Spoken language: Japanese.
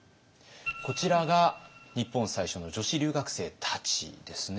こちらが日本最初の女子留学生たちですね。